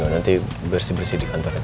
nanti bersih bersih di kantor aja